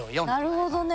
なるほどね。